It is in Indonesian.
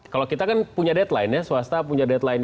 kalau kita kan punya deadline ya swasta punya deadline